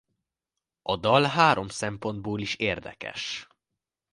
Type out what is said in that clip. A dal három szempontból is érdekes.